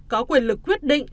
có quyền lực quyết định